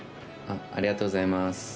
ありがとうございます。